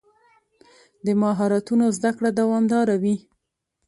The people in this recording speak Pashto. د مهارتونو زده کړه دوامداره وي.